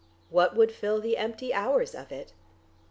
What would fill the empty hours of it?...